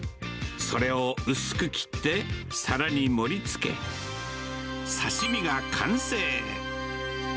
それを薄く切って、皿に盛り付け、刺身が完成。